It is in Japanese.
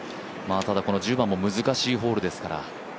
ただこの１０番も難しいホールですから。